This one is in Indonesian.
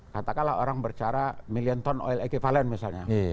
katakanlah orang bercara milion ton oil equivalent misalnya